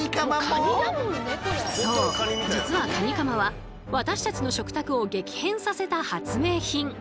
そう実はカニカマは私たちの食卓を激変させた発明品！